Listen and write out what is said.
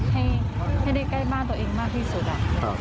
ให้ได้ใกล้บ้านตัวเองมากที่สุดอะ